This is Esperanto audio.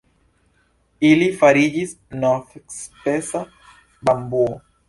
Ili fariĝis novspeca bambuo.